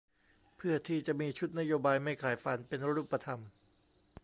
เพื่อที่จะมีชุดนโยบายไม่ขายฝัน เป็นรูปธรรม